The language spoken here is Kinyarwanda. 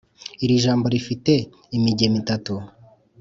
iri jambo rifite imigemo itatu.